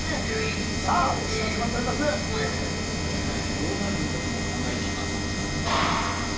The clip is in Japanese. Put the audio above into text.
東大王たちも考えています。